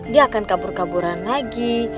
dia akan kabur kaburan lagi